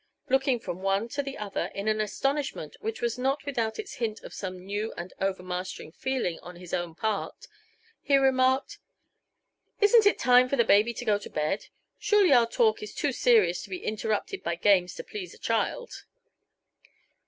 Looking from one to the other in an astonishment which was not without its hint of some new and overmastering feeling on his own part, he remarked: "Isn't it time for the baby to go to bed? Surely, our talk is too serious to be interrupted by games to please a child."